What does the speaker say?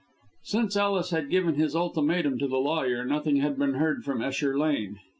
Since Ellis had given his ultimatum to the lawyer, nothing had been heard from Esher Lane.